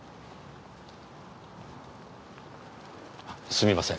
すみません。